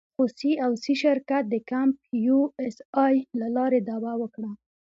خو سي او سي شرکت د کمپ یو اس اې له لارې دعوه وکړه.